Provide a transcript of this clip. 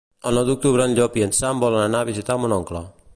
El nou d'octubre en Llop i en Sam volen anar a visitar mon oncle.